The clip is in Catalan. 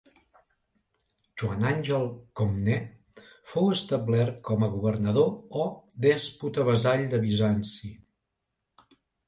Joan Àngel-Comnè fou establert com a governador o dèspota vassall de Bizanci.